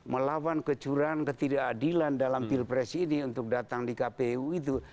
melawan kecurangan ketidakadilan dalam pilpres ini untuk datang di kpu itu